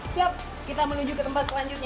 siap kita menuju ke tempat selanjutnya